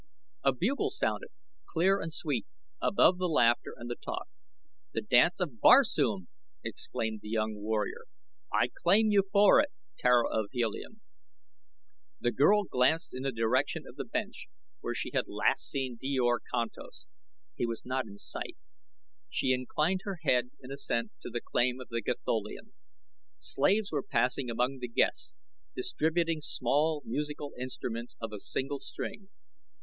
A bugle sounded, clear and sweet, above the laughter and the talk. "The Dance of Barsoom!" exclaimed the young warrior. "I claim you for it, Tara of Helium." The girl glanced in the direction of the bench where she had last seen Djor Kantos. He was not in sight. She inclined her head in assent to the claim of the Gatholian. Slaves were passing among the guests, distributing small musical instruments of a single string.